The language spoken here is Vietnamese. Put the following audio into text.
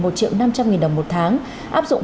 một triệu năm trăm linh nghìn đồng một tháng áp dụng